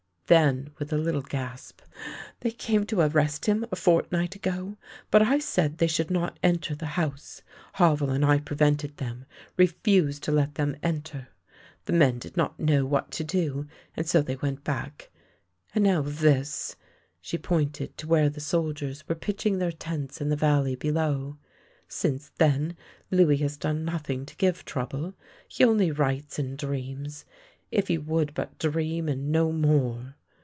Then with a little gasp :'' They came to arrest him a fortnight ago, but I said they should not enter the house. Havel and I prevented them — refused to let them enter. The men did not know what to do, and so they went back. And now this —!" she pointed to where the soldiers were pitching their tents in the valley below. " Since then Louis has done nothing to give trou ble. He only writes and dreams. If he would but dream and no more